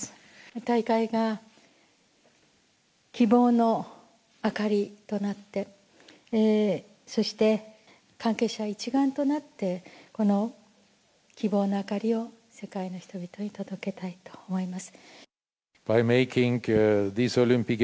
大会が希望のあかりとなって、そして、関係者一丸となって、この希望のあかりを世界の人々に届けたいと思います。